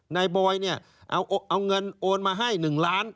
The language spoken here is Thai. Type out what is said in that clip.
บอยเนี่ยเอาเงินโอนมาให้๑ล้าน